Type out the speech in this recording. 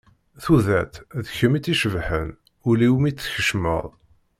Tudert d kemm i tt-icebbḥen, ul-iw mi t-tkecmeḍ.